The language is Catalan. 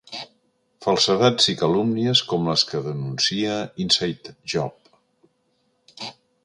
Falsedats i calúmnies com les que denuncia “Inside Job”.